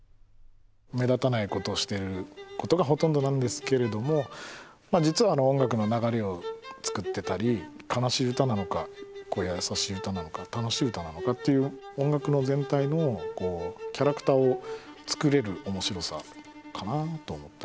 目立たないことをしていることがほとんどなんですけれどもまあ実は音楽の流れを作ってたり悲しい歌なのかやさしい歌なのか楽しい歌なのかっていう音楽の全体のキャラクターを作れる面白さかなぁと思ったりはしてます。